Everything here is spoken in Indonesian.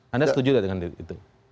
anda setuju dengan itu